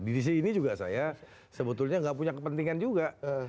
di sini juga saya sebetulnya nggak punya kepentingan juga